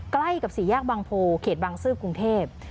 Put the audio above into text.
ใกล้กับสี่แยกบางโพเขตบางซื่อกรุงเทพ